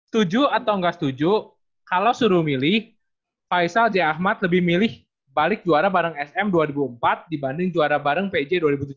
setuju atau enggak setuju kalau suruh milih faisal j ahmad lebih milih balik juara bareng sm dua ribu empat dibanding juara bareng pj dua ribu tujuh belas